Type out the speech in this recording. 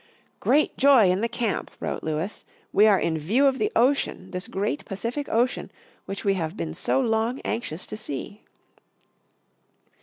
"Great joy in the camp," wrote Lewis. "We are in view of the ocean, this great Pacific Ocean, which we have been so long anxious to see."